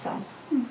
うん。